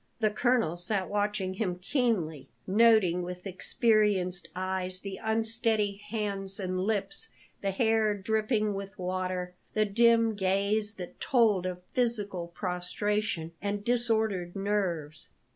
The colonel sat watching him keenly, noting with experienced eyes the unsteady hands and lips, the hair dripping with water, the dim gaze that told of physical prostration and disordered nerves.